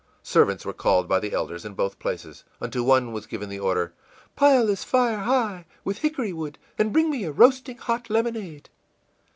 Servants were called by the elders, in both places. Unto one was given the order, ìPile this fire high, with hickory wood, and bring me a roasting hot lemonade.